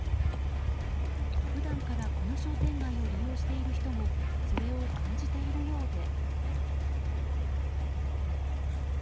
普段からこの商店街を利用している人もそれを感じているようで。